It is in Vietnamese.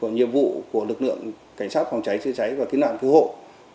nhiệm vụ của lực lượng cảnh sát phòng cháy chữa cháy và cứu nạn cứu hộ